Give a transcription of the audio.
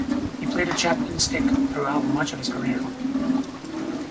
He played a Chapman Stick throughout much of his career.